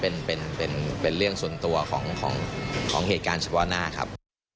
เป็นเรื่องส่วนตัวของเหตุการณ์เฉพาะหน้าครับ